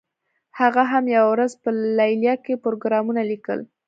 هغه هم یوه ورځ په لیلیه کې پروګرامونه لیکل